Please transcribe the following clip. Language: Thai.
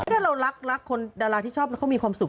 ถ้าเรารักคนดาราที่ชอบแล้วเขามีความสุข